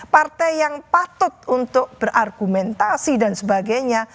partai yang patut untuk berargumentasi dan sebagainya